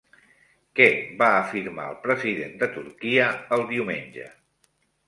Què va afirmar el president de Turquia el diumenge?